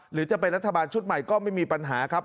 หรือจะเป็นรัฐบาลชุดใหม่ก็ไม่มีปัญหาครับ